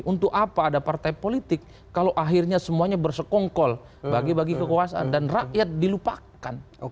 untuk apa ada partai politik kalau akhirnya semuanya bersekongkol bagi bagi kekuasaan dan rakyat dilupakan